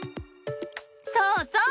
そうそう！